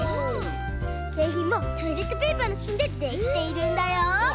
けいひんもトイレットペーパーのしんでできているんだよ。